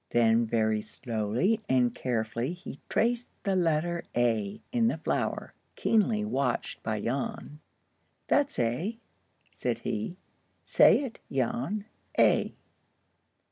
Then very slowly and carefully he traced the letter A in the flour, keenly watched by Jan. "That's A," said he. "Say it, Jan. A."